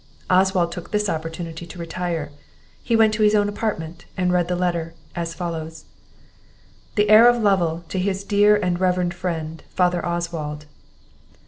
Oswald took this opportunity to retire; he went to his own apartment, and read the letter, as follows: "The Heir of Lovel, to his dear and reverend friend, father Oswald.